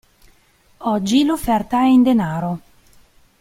Oggi l'offerta è in denaro.